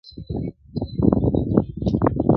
مرور نصیب به هله ورپخلا سي!.